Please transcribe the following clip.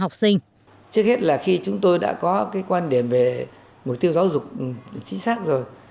trước hết là khi chúng tôi đã có quan điểm về mục tiêu giáo dục chính xác rồi